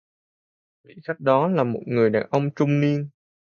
Vị Khách Đó là một người đàn ông trung niên